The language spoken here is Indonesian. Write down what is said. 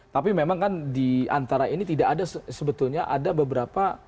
tapi memang kan di antara ini tidak ada sebetulnya ada beberapa